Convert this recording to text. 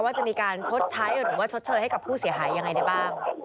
ว่าจะมีการชดใช้หรือว่าชดเชยให้กับผู้เสียหายยังไงได้บ้าง